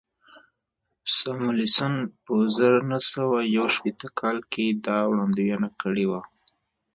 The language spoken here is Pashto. ساموېلسن په زر نه سوه یو شپېته کال کې دا وړاندوینه کړې وه